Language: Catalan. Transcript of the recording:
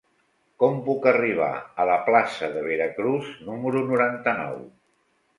Com puc arribar a la plaça de Veracruz número noranta-nou?